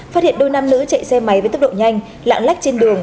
phát hiện đôi nam nữ chạy xe máy với tốc độ nhanh lạng lách trên đường